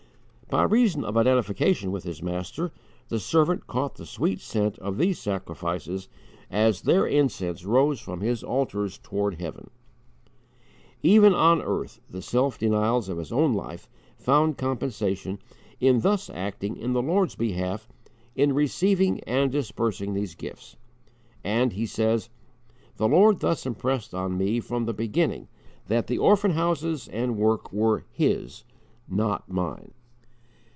By reason of identification with his Master, the servant caught the sweet scent of these sacrifices as their incense rose from His altars toward heaven. Even on earth the self denials of his own life found compensation in thus acting in the Lord's behalf in receiving and disbursing these gifts; and, he says, "the Lord thus impressed on me from the beginning that the orphan houses and work were HIS, not MINE."